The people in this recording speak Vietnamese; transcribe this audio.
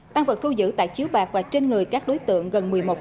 tăng vật khu giữ tại chiếu bạc và trên người các đối tượng gần một mươi triệu đồng